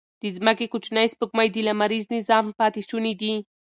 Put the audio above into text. د ځمکې کوچنۍ سپوږمۍ د لمریز نظام پاتې شوني دي.